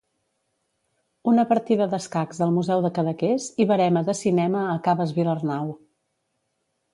Una partida d'escacs al Museu de Cadaqués i verema de cinema a Caves Vilarnau.